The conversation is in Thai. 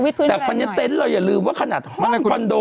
แต่ท่อนนี้เต้นเราอย่าลืมว่าขณะห้องคอนโด